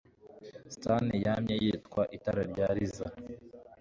Stan yamye yitwaje itara rya Liz.